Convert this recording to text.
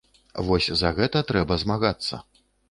Вось за гэта трэба змагацца.